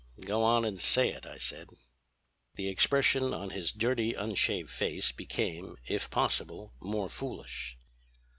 "'Go on and say it,' I said. "The expression on his dirty unshaved face became, if possible, more foolish.